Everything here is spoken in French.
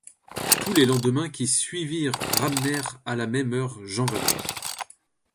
Tous les lendemains qui suivirent ramenèrent à la même heure Jean Valjean.